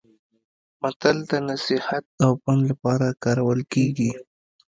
متل د نصيحت او پند لپاره کارول کیږي